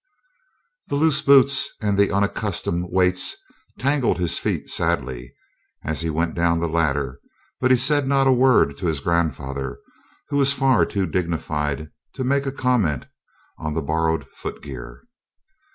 The loose boots and the unaccustomed weights tangled his feet sadly, as he went on down the ladder, but he said not a word to his grandfather, who was far too dignified to make a comment on the borrowed footgear.